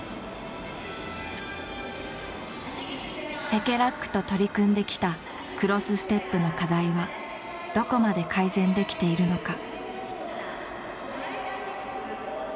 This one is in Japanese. セケラックと取り組んできたクロスステップの課題はどこまで改善できているのか。